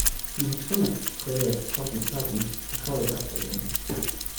Cinematronics created "Cosmic Chasm", a color vector game.